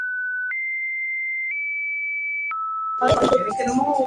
உழைத்துப் பொருளீட்டி வாழ்தலே வாழ்வு!